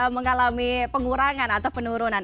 mengalami pengurangan atau penurunan